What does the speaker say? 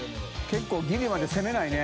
觜ギリまで攻めないね。